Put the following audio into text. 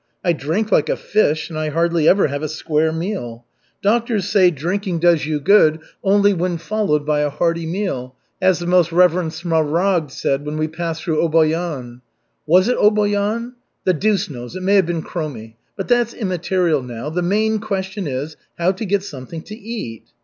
I drink like a fish and I hardly ever have a square meal. Doctors say drinking does you good only when followed by a hearty meal, as the Most Reverend Smaragd said when we passed through Oboyan. Was it Oboyan? The deuce knows, it may have been Kromy. But that's immaterial now. The main question is, how to get something to eat.